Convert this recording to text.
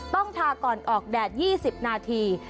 ทาก่อนออกแดด๒๐นาที